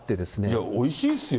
いや、おいしいですよ。